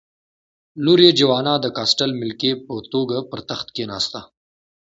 لور یې جوانا د کاسټل ملکې په توګه پر تخت کېناسته.